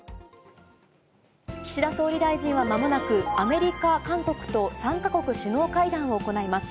岸田総理大臣はまもなく、アメリカ、韓国と３か国首脳会談を行います。